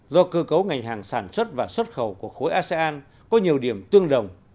do cơ cấu ngành hàng sản xuất và xuất khẩu của khối asean có nhiều điểm tương đồng